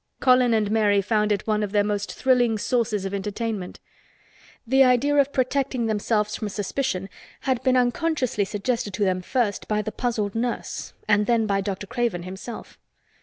Colin and Mary found it one of their most thrilling sources of entertainment. The idea of protecting themselves from suspicion had been unconsciously suggested to them first by the puzzled nurse and then by Dr. Craven himself.